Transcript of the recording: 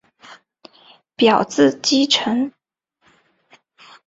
表字稷臣。